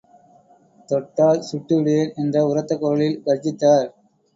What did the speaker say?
தொட்டால் சுட்டுவிடுவேன் என்று உரத்த குரலில் கர்ஜித்தார்.